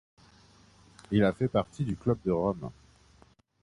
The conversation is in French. Il a fait partie du Club de Rome.